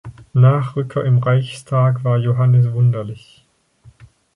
Nachrücker im Reichstag war Johannes Wunderlich.